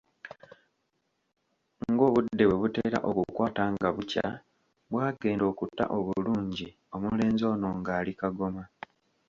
Ng’obudde bwe butera okukwata nga bukya, bw’agenda okuta obulungi omulenzi ono ng’ali Kagoma.